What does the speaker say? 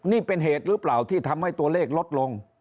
นี่เป็นเหตุหรือเปล่าที่ทำให้ตัวเลขลดลง